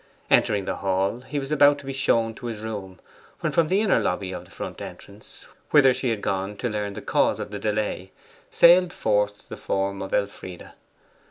Entering the hall, he was about to be shown to his room, when from the inner lobby of the front entrance, whither she had gone to learn the cause of the delay, sailed forth the form of Elfride.